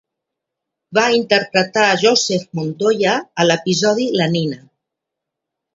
Va interpretar Joseph Montoya a l'episodi "La Nina".